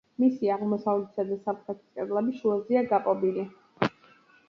მისი აღმოსავლეთისა და სამხრეთის კედლები შუაზეა გაპობილი.